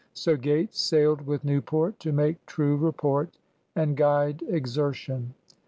So Gates sailed with Newport to make true report and guide exertion.